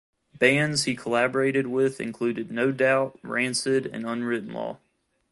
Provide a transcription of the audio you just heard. Bands he collaborated with included No Doubt, Rancid and Unwritten Law.